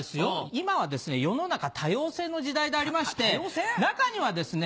今は世の中多様性の時代でありまして中にはですね